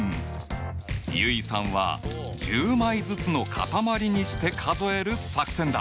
結衣さんは１０枚ずつの塊にして数える作戦だ！